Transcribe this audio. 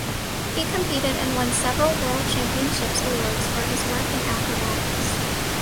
He competed and won several world championships awards for his work in Acrobatics.